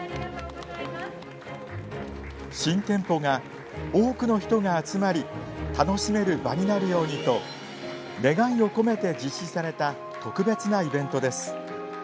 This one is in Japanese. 新店舗が多くの人が集まり楽しめる場になるようにと願いを込めて実施された特別なイベントです。